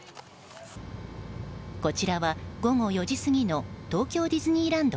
こちらは午後４時過ぎの東京ディズニーランド